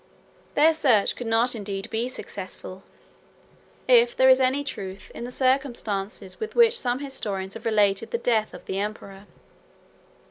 Their search could not indeed be successful, if there is any truth in the circumstances with which some historians have related the death of the emperor.